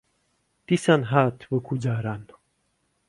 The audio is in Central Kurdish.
دیسان هات وەکوو جاران